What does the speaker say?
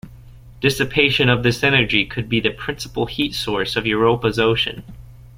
Dissipation of this energy could be the principal heat source of Europa's ocean.